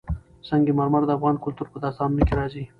سنگ مرمر د افغان کلتور په داستانونو کې راځي.